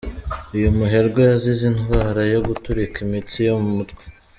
Uyu muherwe yazize indwara yo guturika imitsi yo mu mutwe.